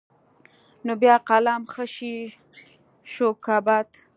نو بيا قلم ښه شى شو که بد.